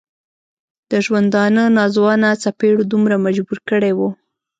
د ژوندانه ناځوانه څپېړو دومره مجبور کړی و.